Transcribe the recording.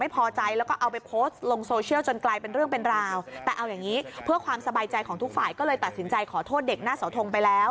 เพื่อความสบายใจของทุกฝ่ายก็เลยตัดสินใจขอโทษเด็กหน้าสาวทงไปแล้ว